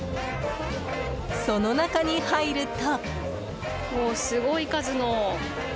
その中に入ると。